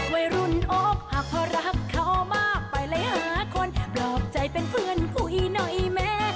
ไว้รุนโอบหักเพราะรักเขามาไปเลยหาคนปลอบใจเป็นเพื่อนคู่อีน้อยแม่